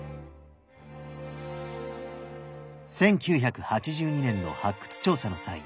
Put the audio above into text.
１９８２年の発掘調査の際